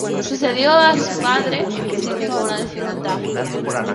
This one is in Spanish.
Sucedió a su padre sin ninguna dificultad.